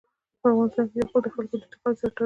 په افغانستان کې یاقوت د خلکو د اعتقاداتو سره تړاو لري.